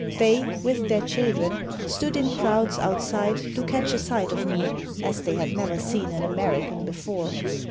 They, with their children, stood in crowds outside to catch a sight of me, as they had never seen an American before.